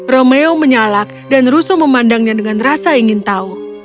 romeo menyalak dan russo memandangnya dengan rasa ingin tahu